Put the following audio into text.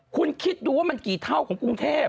คุณคิดดูว่ามันกี่เท่าของกรุงเทพ